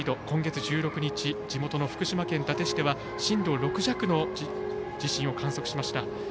今月１６日地元の福島県伊達市では震度６弱の地震を観測しました。